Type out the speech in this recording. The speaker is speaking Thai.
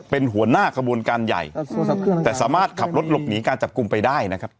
เป็นหัวหน้าขบวนการใหญ่แต่สามารถขับรถหลบหนีการจับกลุ่มไปได้นะครับ